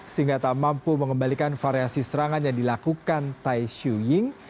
sehingga tak mampu mengembalikan variasi serangan yang dilakukan tai su ying